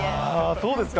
そうですか。